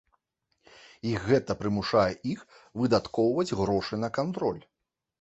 І гэта прымушае іх выдаткоўваць грошы на кантроль.